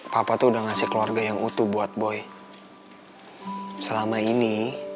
papa tuh udah ngasih keluarga yang utuh buat boy selama ini